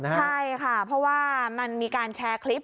ใช่ค่ะเพราะว่ามันมีการแชร์คลิป